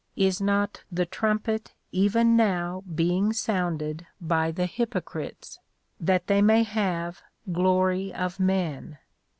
Is not "the trumpet" even now being "sounded" by "the hypocrites" that they may have "glory of men"?